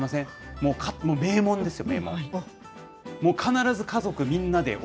もう名門ですよ、名門。